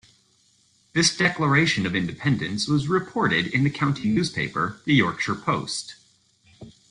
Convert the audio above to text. This declaration of independence was reported in the county newspaper, the "Yorkshire Post".